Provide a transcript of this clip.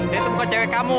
dia itu bukan cewek kamu